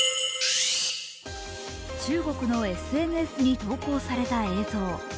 中国のＳＮＳに投稿された映像。